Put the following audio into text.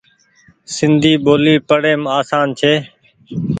سندي ٻولي پڙيم آسان ڇي ۔